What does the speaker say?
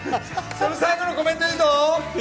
その最後のコメントいいぞ！